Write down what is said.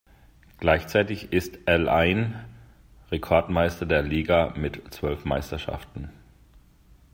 Gleichzeitig ist al Ain Rekordmeister der Liga mit zwölf Meisterschaften.